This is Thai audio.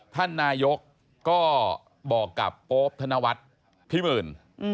ท่านนายกก็บอกกับโป๊ปธนวัฒน์พี่หมื่น